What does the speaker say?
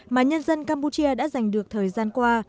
mà nhân dân campuchia đã giành được thời gian qua